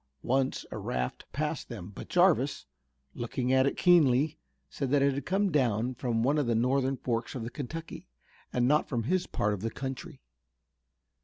Once a raft passed them, but Jarvis, looking at it keenly, said that it had come down from one of the northern forks of the Kentucky and not from his part of the country.